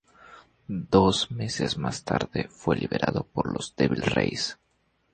Dos meses más tarde, fue liberado por los Devil Rays.